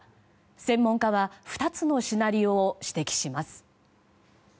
専門家は２つのシナリオを指摘します。